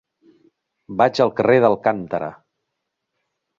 Vaig al carrer d'Alcántara.